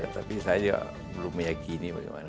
tapi saya juga belum meyakini bagaimana